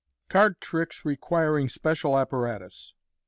Card Tricks Requiring Special Apparatus.